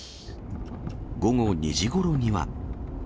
午後２時ごろには。